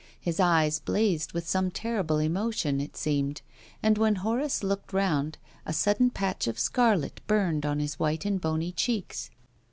His eyes blazed with some terrible emotion, it seemed, and when Horace looked round a sudden patch of scarlet burned on his white and bony cheeks.